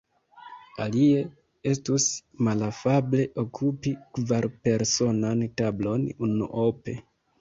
Alie, estus malafable okupi kvarpersonan tablon unuope.